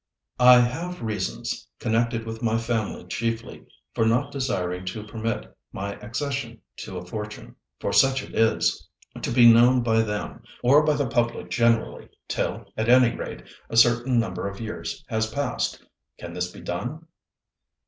"I have reasons, connected with my family chiefly, for not desiring to permit my accession to a fortune, for such it is, to be known by them, or by the public generally, till, at any rate, a certain number of years has passed. Can this be done?"